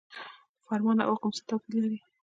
فرمان او حکم څه توپیر لري؟